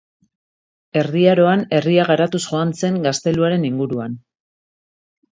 Edo Aroan herria garatuz joan zen gazteluaren inguruan.